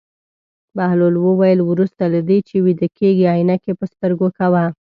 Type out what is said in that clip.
بهلول وویل: وروسته له دې چې ویده کېږې عینکې په سترګو کوه.